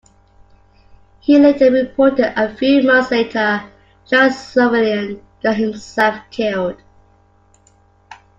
He later reported A few months later, Charles Sullivan got himself killed.